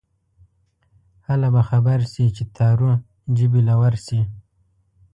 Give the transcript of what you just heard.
هله به خبر شې چې تارو جبې له ورشې